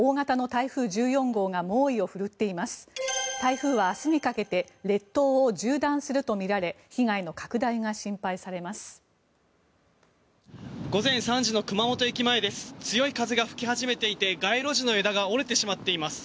台風は明日にかけて列島を縦断するとみられ被害の拡大が心配されます。